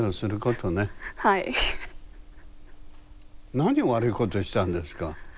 何を悪いことしたんですか。